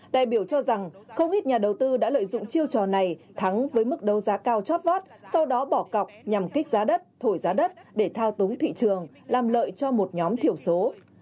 đại biểu cho rằng không ít nhà đầu tư đã lợi dụng chiêu trò này thắng với mức đấu giá cao chót vót sau đó bỏ cọc nhằm kích giá đất thổi giá đất để thao túng thị trường làm lợi cho một nhóm thiểu số